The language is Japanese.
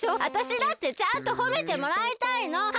あたしだってちゃんとほめてもらいたいの！